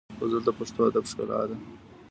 غزل د پښتو ادب ښکلا ده.